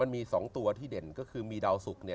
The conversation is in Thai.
มีสองตัวที่เด่นคือมีดาวศูกรณ์